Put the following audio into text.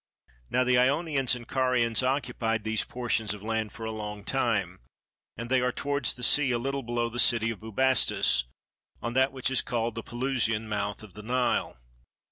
Now the Ionians and Carians occupied these portions of land for a long time, and they are towards the sea a little below the city of Bubastis, on that which is called the Pelusian mouth of the Nile.